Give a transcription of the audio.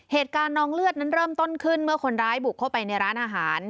เหตุการณ์นองเลือดนั้นเริ่มต้นขึ้นเมื่อคนร้ายบุกเข้าไปในร้านอาหาร